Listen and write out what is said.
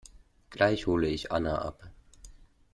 Gleich hole ich Anne ab.